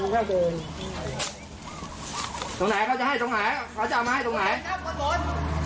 พ่อเขาพิกัดตรงไหนเขาจะให้ตรงไหนเขาจะเอามาให้ตรงไหนตรงหลด